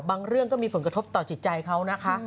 เรื่องก็มีผลกระทบต่อจิตใจเขานะคะ